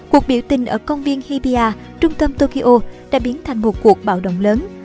cuộc biểu tình ở công viên hibia trung tâm tokyo đã biến thành một cuộc bạo động lớn